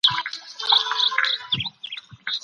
که امنيت تامين سي بهرني پانګوال به هيواد ته راسي.